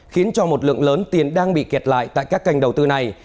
khiến cho một lượng lớn tiền đang bị kẹt lại tại các kênh đầu tư này